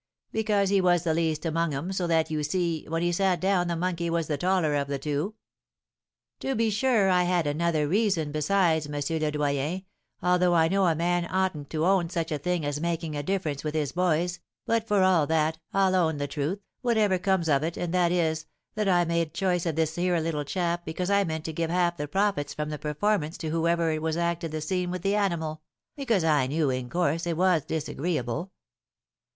'Because he was the least among 'em, so that, you see, when he sat down the monkey was the taller of the two. "'To be sure I had another reason besides, M. le Doyen, although I know a man oughtn't to own such a thing as making a difference with his boys, but, for all that, I'll own the truth, whatever comes of it, and that is, that I made choice of this here little chap because I meant to give half the profits from the performance to whoever it was acted the scene with the animal, because I knew, in course, it was disagreeable.'